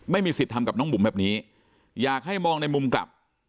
ไม่มีสิทธิ์ทำกับน้องบุ๋มแบบนี้อยากให้มองในมุมกลับ